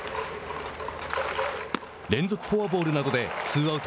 連続フォアボールなどでツーアウト、